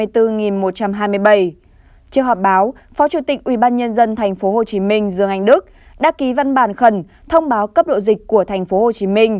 trước họp báo phó chủ tịch ubnd tp hcm dương anh đức đã ký văn bản khẩn thông báo cấp độ dịch của tp hcm